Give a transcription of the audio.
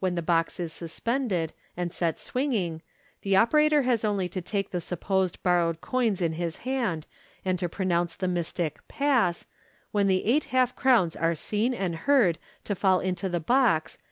the box is suspended, and set swinging, the operator has only to take the (supposed) borrowed coins in his hand, and to pronounce the mystic " Pass," when the eight half crowns are seen and heard to fall into the box.